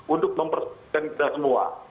untuk mempersiapkan kita semua